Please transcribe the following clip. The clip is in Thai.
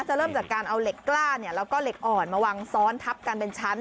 เริ่มจากการเอาเหล็กกล้าแล้วก็เหล็กอ่อนมาวางซ้อนทับกันเป็นชั้น